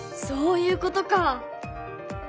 そういうことか。